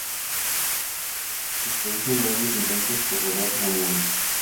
Pronto, se producen varios intentos por robar la momia.